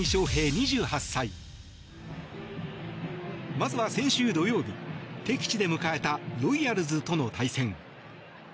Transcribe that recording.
まずは先週土曜日敵地で迎えたロイヤルズとの対戦。